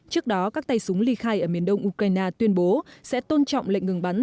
trước đó các tay súng ly khai ở miền đông ukraine tuyên bố sẽ tôn trọng lệnh ngừng bắn